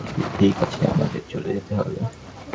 ঠিক আছে, আমাদের চলে যেতে হবে।